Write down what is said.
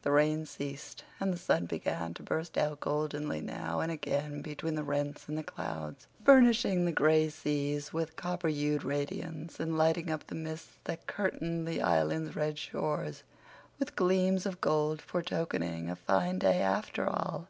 The rain ceased and the sun began to burst out goldenly now and again between the rents in the clouds, burnishing the gray seas with copper hued radiance, and lighting up the mists that curtained the Island's red shores with gleams of gold foretokening a fine day after all.